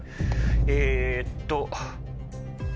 えっと。